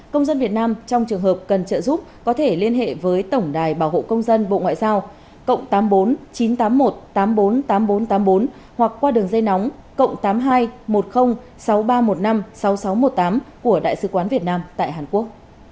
công dân việt nam trong trường hợp cần trợ giúp có thể liên hệ với tổng đài bảo hộ công dân bộ ngoại giao cộng tám mươi bốn chín trăm tám mươi một tám trăm bốn mươi tám nghìn bốn trăm tám mươi bốn hoặc qua đường dây nóng cộng tám mươi hai một mươi sáu nghìn ba trăm một mươi năm sáu nghìn sáu trăm một mươi tám của đại sứ quán việt nam tại hàn quốc